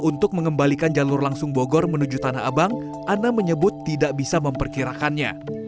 untuk mengembalikan jalur langsung bogor menuju tanah abang ana menyebut tidak bisa memperkirakannya